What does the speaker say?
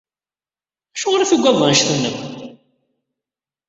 Acuɣer i tuggadeḍ anect-nni akk?